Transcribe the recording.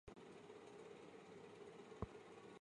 它们对储存记忆和处理陈述性记忆有重要的作用。